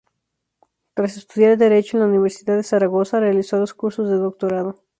Tras estudiar Derecho en la Universidad de Zaragoza realizó los cursos de doctorado.